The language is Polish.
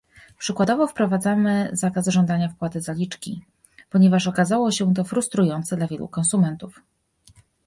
Przykładowo wprowadzamy zakaz żądania wpłaty zaliczki, ponieważ okazało się to frustrujące dla wielu konsumentów